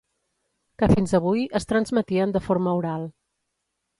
Que fins avui es transmetien de forma oral.